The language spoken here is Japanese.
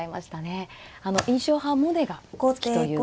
印象派モネが好きということで。